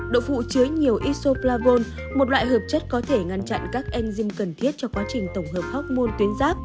đậu phụ chứa nhiều isoplavone một loại hợp chất có thể ngăn chặn các enzim cần thiết cho quá trình tổng hợp hóc môn tuyến giáp